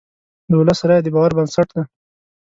د ولس رایه د باور بنسټ دی.